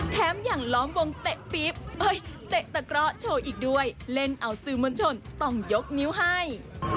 แถมอย่างล้อมวงเตะปี๊บเตะตะกร้อโชว์อีกด้วยเล่นเอาสื่อมวลชนต้องยกนิ้วให้